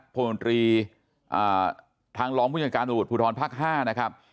พมทางล้อมผู้จังหวัดผู้ทรภภ๕นะครับ